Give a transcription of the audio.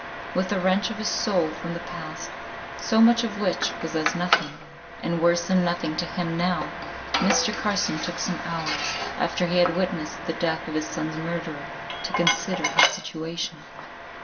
With a wrench of his soul from the past, so much of which was as nothing, and worse than nothing to him now, Mr. Carson took some hours, after he had witnessed the death of his son's murderer, to consider his situation.